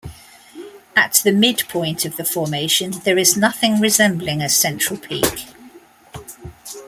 At the midpoint of the formation, there is nothing resembling a central peak.